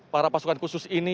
para pasukan khusus ini